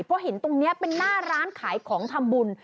เพราะเห็นตรงนี้เป็นหน้าร้านขายของทำบุญ